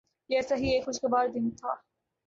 یہ ایسا ہی ایک خوشگوار دن تھا۔